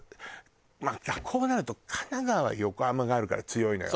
まあこうなると神奈川は横浜があるから強いのよ。